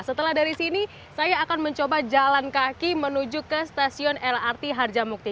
setelah dari sini saya akan mencoba jalan kaki menuju ke stasiun lrt harjamukti